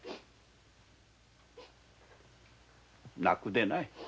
泣くでない。